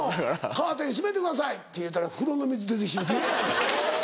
「カーテン閉めてください」って言うたら風呂の水出てしもうて「えぇ！」。